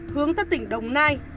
hướng tới tỉnh đồng nai